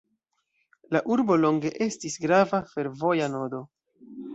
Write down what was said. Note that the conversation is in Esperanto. La urbo longe estis grava fervoja nodo.